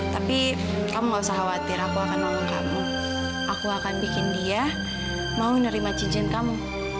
tapi kamu gak usah khawatir aku akan nolong kamu aku akan bikin dia mau nerima cijen kamu